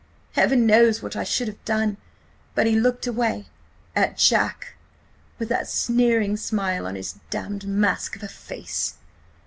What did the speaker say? Heaven knows what I should have done! ... but he looked away–at Jack, with that sneering smile on his damned mask of a face!